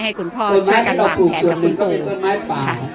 ให้คุณพ่อใช้การวางแผนหลังกันส่วนค่ะ